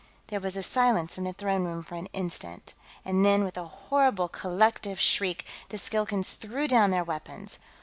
There was silence in the throne room for an instant, and then, with a horrible collective shriek, the Skilkans threw down their weapons.